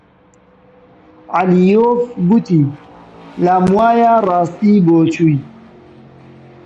عەلییۆف گوتی: لام وایە ڕاستی بۆ چووی!